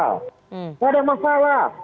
nggak ada masalah